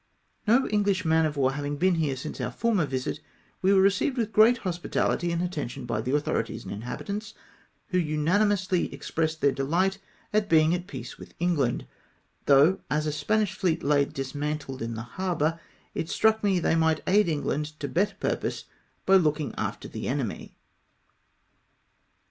No Enghsh man of war having been here since our former visit, we were received with great hospitahty and attention by the authorities and inhabitants, who unanimously expressed their dehght at being at peace with England ; though, as a Spanish fleet lay dismantled in the harbour, it struck me that they might aid England to better pur pose by looking after the enemy.